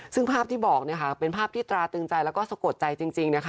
ซึ่งภาพที่บอกเนี่ยค่ะเป็นภาพที่ตราตึงใจแล้วก็สะกดใจจริงนะคะ